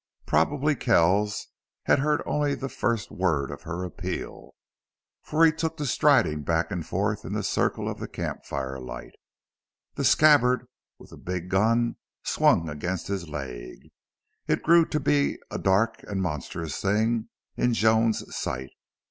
Probably Kells had heard only the first words of her appeal, for he took to striding back and forth in the circle of the camp fire light. The scabbard with the big gun swung against his leg. It grew to be a dark and monstrous thing in Joan's sight.